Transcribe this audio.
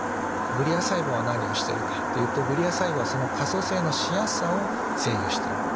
グリア細胞は何をしてるかというとグリア細胞はその可塑性のしやすさを制御している。